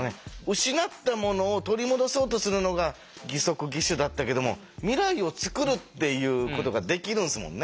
失ったものを取り戻そうとするのが義足義手だったけども未来を作るっていうことができるんですもんね。